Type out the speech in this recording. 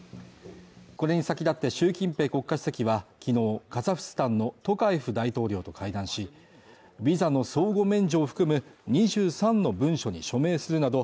これに先立って習近平国家主席は昨日カザフスタンのトカエフ大統領と会談し、ビザの相互免除を含む２３の文書に署名するなど